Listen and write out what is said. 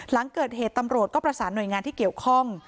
หลังเกิดเหตุตำรวจก็ประสานหน่วยงานที่เกี่ยวข้อง